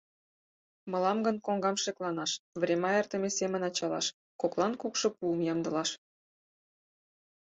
Мылам гын, коҥгам шекланаш, врема эртыме семын ачалаш, коклан кукшо пуым ямдылаш.